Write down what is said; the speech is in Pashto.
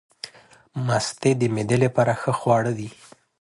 مستې د معدې لپاره ښه خواړه دي.